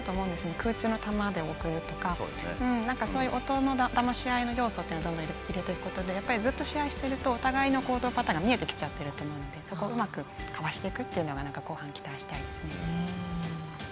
空中の球とかそういう音のだまし合いの要素をどんどん入れることでずっと試合しているとお互いの行動パターンが見えてきちゃっていると思うのでそこをうまくかわしていくのを後半、期待したいですね。